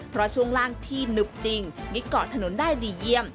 เพราะช่วงล่างที่หนึบจริงมิดเกาะถนนได้ดีเยี่ยม